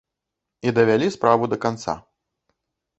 І давялі справу да канца.